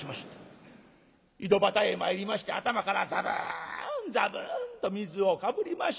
井戸端へ参りまして頭からザブンザブンと水をかぶりまして。